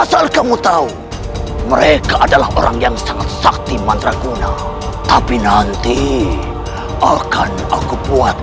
sampai jumpa di video selanjutnya